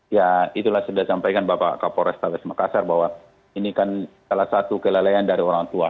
ya itulah sudah disampaikan bapak kapolres tawes makassar bahwa ini kan salah satu kelelayan dari orang tua